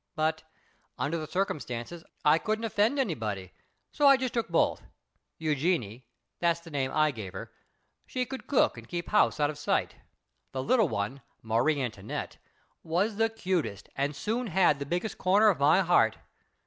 But, under the circumstances, I couldn't offend anybody, so I just took both. Eugenie that's the name I give her she could cook and keep house out of sight. The little one Marie Antoinette was the cutest and soon had the biggest corner of my heart.